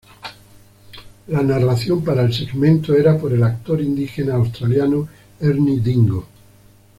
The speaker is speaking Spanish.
La narración para el segmento era por el actor indígena australiano Ernie Dingo.